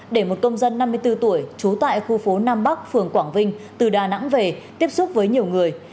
để một công dân năm mươi bốn tuổi trú tại khu phố nam bắc phường quảng vinh từ đà nẵng về tiếp xúc với nhiều người